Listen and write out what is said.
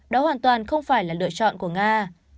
đó hoàn toàn không phải là lựa chọn của nga